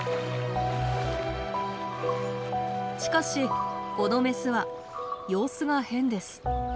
しかしこのメスは様子が変です。